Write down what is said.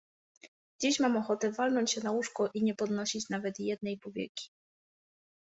Dziś mam ochotę walnąć się na łóżko i nie podnosić nawet jednej powieki.